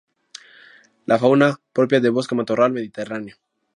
La fauna, propia de bosque matorral mediterráneo.